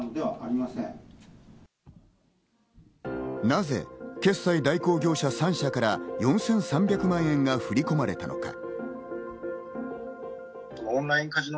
なぜ決済代行業者３社から４３００万円が振り込まれたのか。